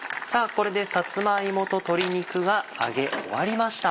これでさつま芋と鶏肉が揚げ終わりました。